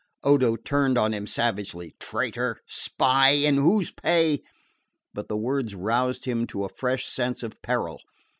Odo turned on him savagely. "Traitor spy! In whose pay ?" But the words roused him to a fresh sense of peril.